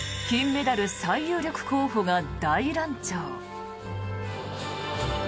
金メダル最有力候補が大乱調。